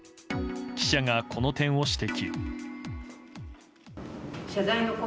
記者が、この点を指摘。